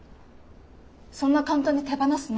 そんな簡単に手放すの？